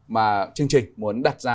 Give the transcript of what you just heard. mà chương trình muốn đặt ra